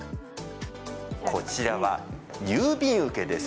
こちらは、郵便受けです。